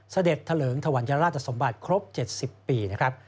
เสด็จเถลิงถวัญราชสมบัติครบ๗๐ปีนะครับ